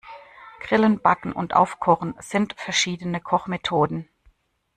Grillen, Backen und Aufkochen sind verschiedene Kochmethoden.